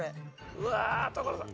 うわ所さん